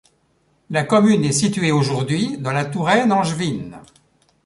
La commune est située aujourd'hui dans la Touraine angevine.